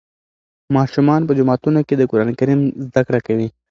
ماشومان په جوماتونو کې د قرآن کریم زده کړه کوي.